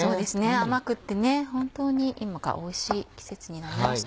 甘くて本当に今がおいしい季節になりました。